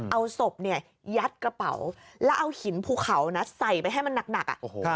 เอาศพเนี่ยยัดกระเป๋าแล้วเอาหินภูเขานะใส่ไปให้มันหนัก